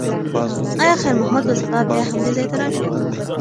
ایا خیر محمد به سبا بیا همدې ځای ته راشي؟